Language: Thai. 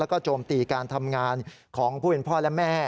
แล้วก็โจมตีการทำงานของผู้เป็นพ่อและแม่